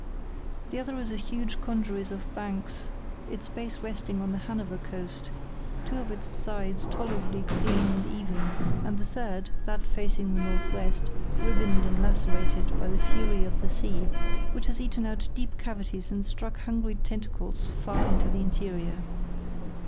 The other is a huge congeries of banks, its base resting on the Hanover coast, two of its sides tolerably clean and even, and the third, that facing the north west, ribboned and lacerated by the fury of the sea, which has eaten out deep cavities and struck hungry tentacles far into the interior.